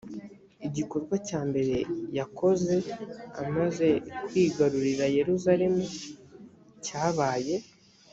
igikorwa cya mbere yakoze amaze kwigarurira yerusalemu cyabaye